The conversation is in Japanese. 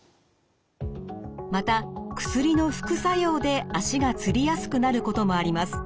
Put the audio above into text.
また薬の副作用で足がつりやすくなることもあります。